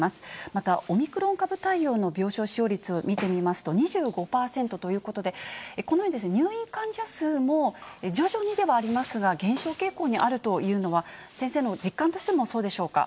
また、オミクロン株対応の病床使用率を見てみますと２５％ということで、このように入院患者数も徐々にではありますが、減少傾向にあるというのは、先生の実感としても、そうでしょうか。